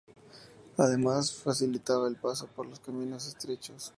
Además facilitaba el paso por caminos estrechos.